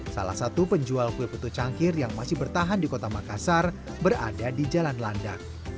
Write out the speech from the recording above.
salah satu penjual kue putu cangkir yang masih bertahan di kota makassar berada di jalan landak